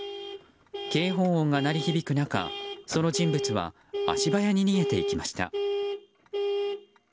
警報音が鳴り響く中、その人物は足早に逃げていきました。